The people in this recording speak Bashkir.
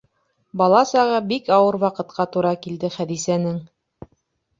Бала сағы бик ауыр ваҡытҡа тура килде Хәҙисәнең.